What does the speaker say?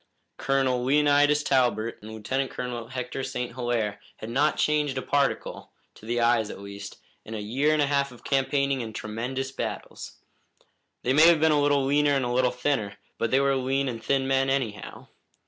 Colonel Leonidas Talbot and Lieutenant Colonel Hector St. Hilaire had not changed a particle to the eyes, at least in a year and a half of campaigning and tremendous battles. They may have been a little leaner and a little thinner, but they were lean and thin men, anyhow.